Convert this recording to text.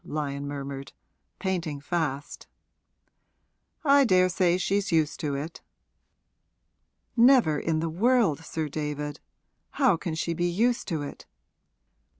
Lyon murmured, painting fast. 'I daresay she's used to it.' 'Never in the world, Sir David. How can she be used to it?'